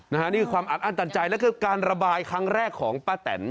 นี่คือความอัดอั้นตันใจแล้วคือการระบายครั้งแรกของป้าแตน